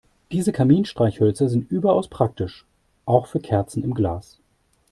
Diese Kaminstreichhölzer sind überaus praktisch, auch für Kerzen im Glas.